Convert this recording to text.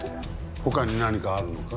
他に何かあるのか？